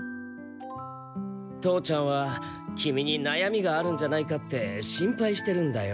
父ちゃんはキミになやみがあるんじゃないかって心配してるんだよ。